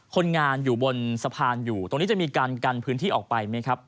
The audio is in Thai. คนงานอยู่บนสะพานอยู่ตรงนี้จะมีการกันพื้นที่ออกไปไหมครับ